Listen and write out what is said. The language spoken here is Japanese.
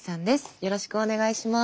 よろしくお願いします。